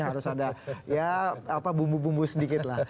harus ada ya apa bumbu bumbu sedikit lah